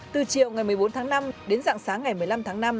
từ chiều ngày một mươi bốn tháng năm đến dạng sáng ngày một mươi năm tháng năm